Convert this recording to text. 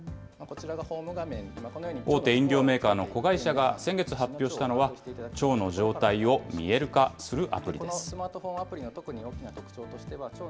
大手飲料メーカーの子会社が先月発表したのは、腸の状態を見える化するアプリです。